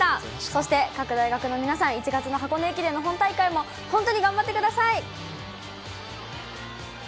そして、各大学の皆さん、１月の箱根駅伝の本大会も、本当に頑張ってください。